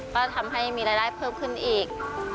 ก็ทำให้มีรายได้เพิ่มขึ้นอีก